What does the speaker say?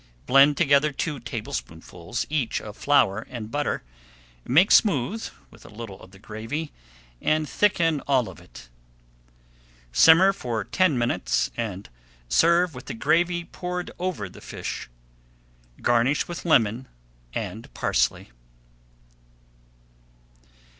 Blend together two tablespoonfuls each of flour and butter, make smooth with a little of the gravy, and thicken all of it. Simmer for ten [Page 167] minutes and serve with the gravy poured over the fish. Garnish with lemon and parsley.